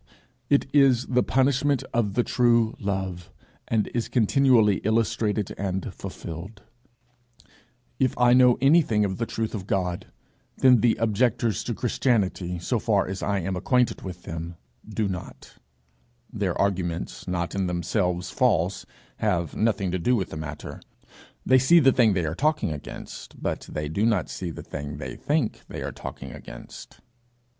It is the punishment of the true Love, and is continually illustrated and fulfilled: if I know anything of the truth of God, then the objectors to Christianity, so far as I am acquainted with them, do not; their arguments, not in themselves false, have nothing to do with the matter; they see the thing they are talking against, but they do not see the thing they think they are talking against.